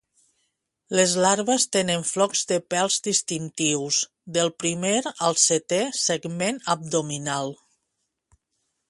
Les larves tenen flocs de pèls distintius del primer al setè segment abdominal.